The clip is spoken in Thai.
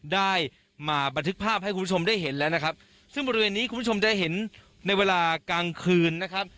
ได้มาบันทึกภาพให้คุณผู้ชมได้เห็นแล้วนะครับซึ่งบริเวณนี้คุณผู้ชมจะเห็นในเวลากลางคืนนะครับ